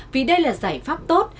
vì đây là giải pháp tốt